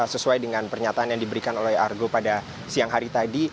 sesuai dengan pernyataan yang diberikan oleh argo pada siang hari tadi